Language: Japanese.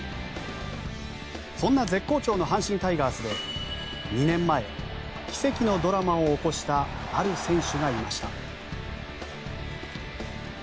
そんな絶好調の阪神タイガースで２年前、奇跡のドラマを起こしたある選手がいました。